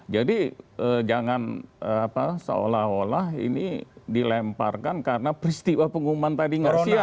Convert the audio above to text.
jadi jangan apa seolah olah ini dilemparkan karena peristiwa pengumuman tadi ngersiam